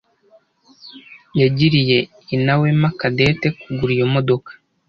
yagiriye inawema Cadette kugura iyo modoka.